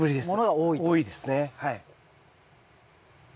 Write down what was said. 多いですねはい。